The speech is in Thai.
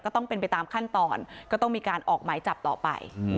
ต้องเป็นไปตามขั้นตอนก็ต้องมีการออกหมายจับต่อไป